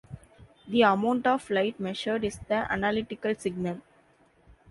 The amount of light measured is the analytical signal.